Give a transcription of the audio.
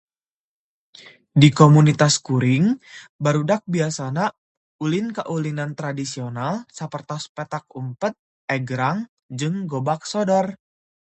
Di komunitas kuring, barudak biasana ulin kaulinan tradisional sapertos petak umpet, egrang, jeung gobak sodor.